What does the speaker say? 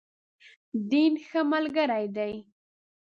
دین، ښه ملګری دی.